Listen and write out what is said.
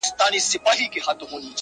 چي ملګری د سفر مي د بیابان یې،